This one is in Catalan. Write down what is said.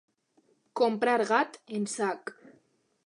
Comprar gat en sac.